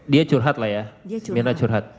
dia curhat lah ya dia curhat mirna curhat